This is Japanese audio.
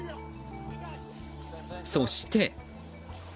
そして。